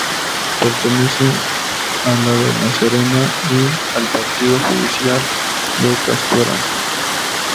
Pertenece a la de La Serena y al Partido judicial de Castuera.